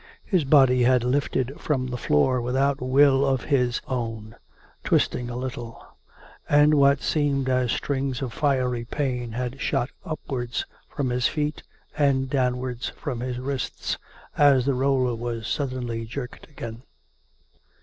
His body had lifted from the floor without will of his own, twisting a little; and what seemed as strings of fiery pain had shot upwards from his feet and downwards from his wrists as the roller was suddenly jerked again.